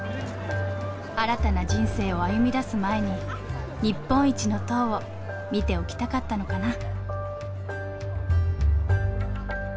新たな人生を歩みだす前に日本一の塔を見ておきたかったのかな。